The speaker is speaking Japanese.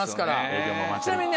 ちなみに。